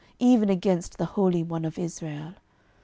even against the Holy One of Israel.